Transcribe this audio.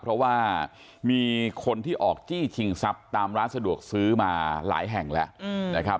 เพราะว่ามีคนที่ออกจี้ชิงทรัพย์ตามร้านสะดวกซื้อมาหลายแห่งแล้วนะครับ